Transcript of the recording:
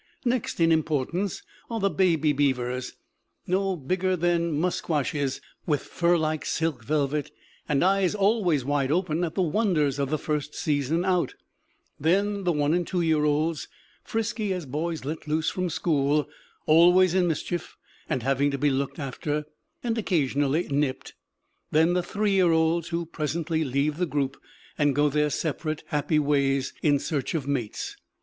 Next in importance are the baby beavers, no bigger than musquashes, with fur like silk velvet, and eyes always wide open at the wonders of the first season out; then the one and two year olds, frisky as boys let loose from school, always in mischief and having to be looked after, and occasionally nipped; then the three year olds, who presently leave the group and go their separate happy ways in search of mates.